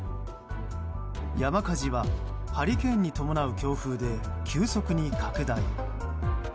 山火事はハリケーンに伴う強風で急速に拡大。